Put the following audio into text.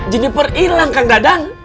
jeniper ilang kak dadang